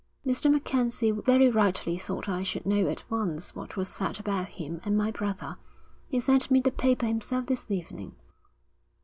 'Mr. MacKenzie very rightly thought I should know at once what was said about him and my brother. He sent me the paper himself this evening.'